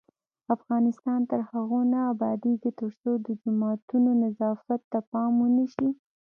افغانستان تر هغو نه ابادیږي، ترڅو د جوماتونو نظافت ته پام ونشي.